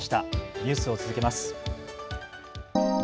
ニュースを続けます。